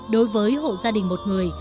đối với hộ gia đình một người